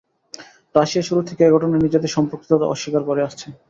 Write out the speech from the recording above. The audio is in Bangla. রাশিয়া শুরু থেকে এ ঘটনায় নিজেদের সম্পৃক্ততা অস্বীকার করে আসছে।